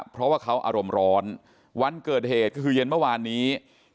เพราะว่าเขาอารมณ์ร้อนวันเกิดเหตุก็คือเย็นเมื่อวานนี้